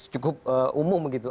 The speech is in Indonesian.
cukup umum gitu